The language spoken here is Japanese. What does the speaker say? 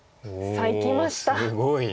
さあいきました。